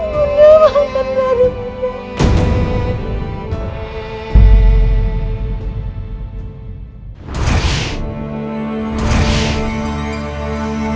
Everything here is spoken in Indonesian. bunda maafkan rara bunda